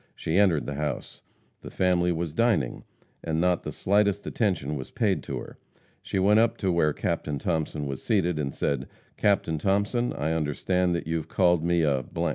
She entered the house. The family was dining, and not the slightest attention was paid to her. She went up to where Captain Thomason was seated, and said: "Captain Thomason, I understand that you have called me a